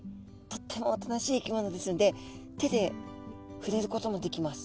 とってもおとなしい生き物ですんで手でふれることもできます。